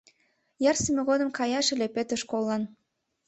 Ярсыме годым каяш ыле Пӧтыш коллан.